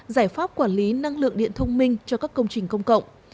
giải pháp quản lý năng lượng điện thông minh cho các công trình công cộng